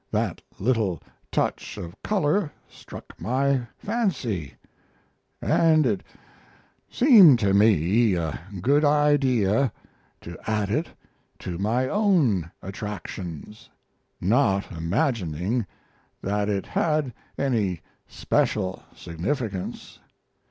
That little touch of color struck my fancy, and it seemed to me a good idea to add it to my own attractions; not imagining that it had any special significance.